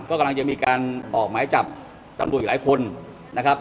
ก็กำลังจะมีการออกหมายจับตำรวจอีกหลายคนนะครับ